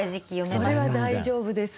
それは大丈夫です。